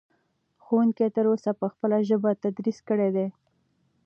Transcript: ښوونکي تر اوسه په خپله ژبه تدریس کړی دی.